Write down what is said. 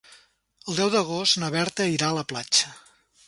El deu d'agost na Berta irà a la platja.